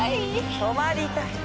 泊まりたい。